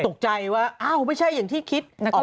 ตกใจว่าอ้าวไม่ใช่อย่างที่คิดนะครับ